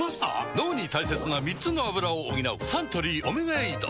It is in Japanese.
脳に大切な３つのアブラを補うサントリー「オメガエイド」